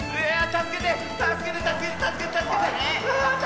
たすけてたすけてたすけてたすけて！